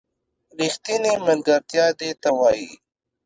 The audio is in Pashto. ریښتینې ملگرتیا دې ته وايي